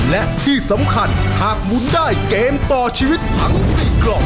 และที่สำคัญหากหมุนได้เกมต่อชีวิตทั้ง๔กล่อง